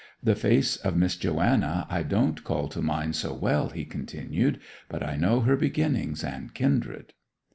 'The face of Miss Joanna I don't call to mind so well,' he continued. 'But I know her beginnings and kindred.